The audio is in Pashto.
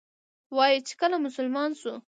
وایي چې کله مسلمان شو.